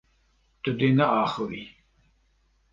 Tu dê neaxivî.